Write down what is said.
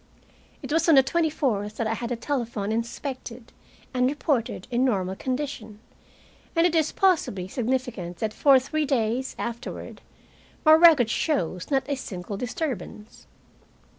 It was on the twenty fourth that I had the telephone inspected and reported in normal condition, and it is possibly significant that for three days afterward my record shows not a single disturbance.